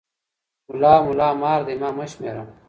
ملا ملا مار دی، ما مه شمېره.